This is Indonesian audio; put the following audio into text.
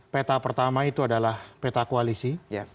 peta pertama itu adalah peta koalisi